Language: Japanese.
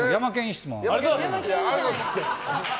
ありがとうございます！